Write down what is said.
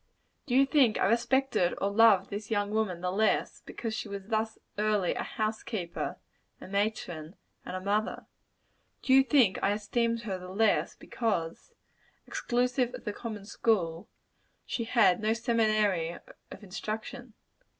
Do you think I respected or loved this young woman the less, because she was thus early a house keeper, a matron, and a mother? Do you think I esteemed her the less, because exclusive of the common school she had no seminary of instruction?